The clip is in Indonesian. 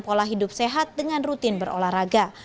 pola hidup sehat dengan rutin berolahraga